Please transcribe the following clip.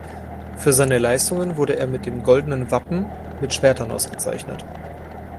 Für seine Leistungen wurde er mit dem goldenen Wappen mit Schwertern ausgezeichnet.